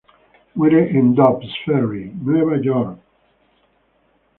Muere en Dobbs Ferry, Nueva York.